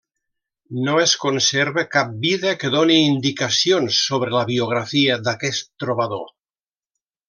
No es conserva cap vida que doni indicacions sobre la biografia d'aquest trobador.